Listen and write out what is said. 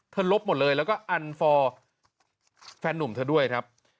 ลบหมดเลยแล้วก็อันฟอร์แฟนนุ่มเธอด้วยครับ